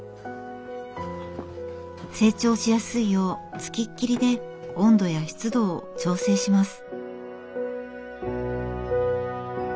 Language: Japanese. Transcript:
成長しやすいよう付きっきりで温度や湿度を調整します。